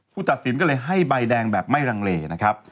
ตัดสินก็เลยให้ใบแดงแบบไม่ลังเลนะครับ